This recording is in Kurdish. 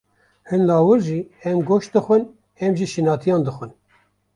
Hin lawir jî, hem goşt dixwin, hem jî şînatiyan dixwin.